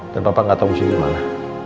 dan papa gak tahu di sini mana